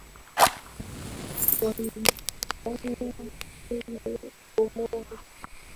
waliiteka nyara meli ya comoro